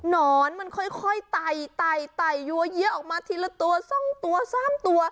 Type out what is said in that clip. นอนมันค่อยไต่ยัวเยี้ยะออกมาทีละตัวสองตัวสามตัว